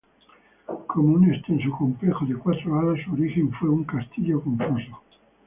Como un extenso complejo de cuatro alas, su origen fue un castillo con foso.